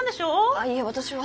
あいいえ私は。